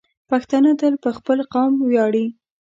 پښتانه تل په خپل قوم ویاړي.